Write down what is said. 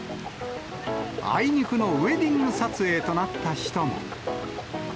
あいにくのウエディング撮影となった人も。